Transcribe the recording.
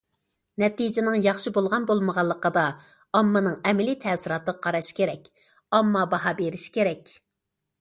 نەتىجىنىڭ ياخشى بولغان- بولمىغانلىقىدا، ئاممىنىڭ ئەمەلىي تەسىراتىغا قاراش كېرەك، ئامما باھا بېرىشى كېرەك.